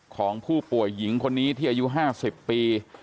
ของผู้ป่วยหญิงคนนี้ที่อายุ๕๐ปี